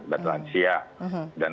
dan lansia dan